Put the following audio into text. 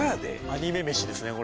アニメ飯ですね